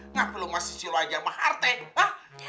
nggak perlu mas isilu aja maharte ha